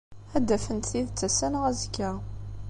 Ad d-afent tidet ass-a neɣ azekka.